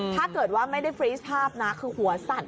ถ้าเกิดว่าไม่ได้ฟรีสภาพนะคือหัวสั่น